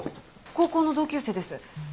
高校の同級生です。